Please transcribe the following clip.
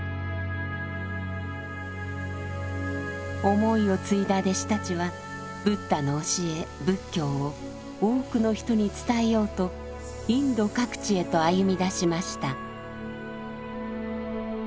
思いを継いだ弟子たちはブッダの教え仏教を多くの人に伝えようとインド各地へと歩み出しました。